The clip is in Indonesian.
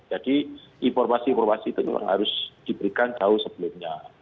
jadi informasi informasi itu harus diberikan jauh sebelumnya